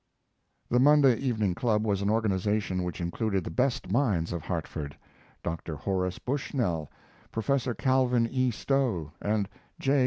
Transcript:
The Monday Evening Club was an organization which included the best minds of Hartford. Dr. Horace Bushnell, Prof. Calvin E. Stowe, and J.